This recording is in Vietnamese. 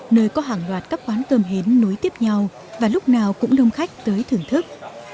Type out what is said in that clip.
nơi có hàng loạt các quán cơm hến nối tiếp nhau và lúc nào cũng đông khách tới thưởng thức